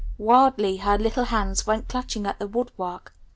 Wildly her little hands went clutching at the woodwork.